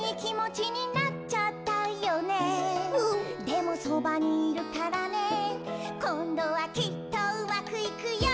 「でもそばにいるからねこんどはきっとうまくいくよ！」